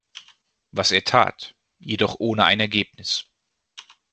Was er tat, jedoch ohne ein Ergebnis.